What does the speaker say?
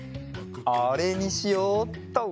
あれにしよっと！